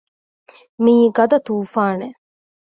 މިއީ ގަދަ ތޫފާނެއް